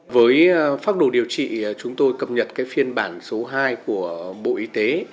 với pháp đồ điều trị chúng tôi cập nhật phiên bản số hai của bộ y tế